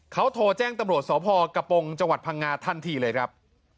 เขาโทรแจ้งตำรวจสพกระโปรงจังหวัดพังงาทันทีเลยครับ